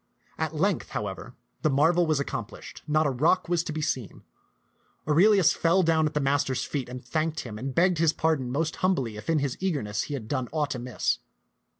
At length, however, the marvel was accomplished, not a rock was to be seen. Aurelius fell down at the master's feet and thanked him, and begged his pardon most humbly if in his eagerness he had done aught amiss.